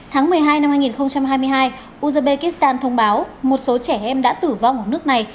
tháng một mươi hai năm hai nghìn hai mươi hai uzbekistan thông báo một số trẻ em đã tử vong ở nước này